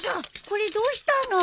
これどうしたの？